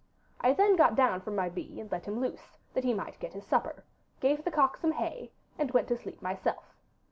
I then got down from my bee, and let him loose, that he might get his supper, gave the cock some hay, and went to sleep myself.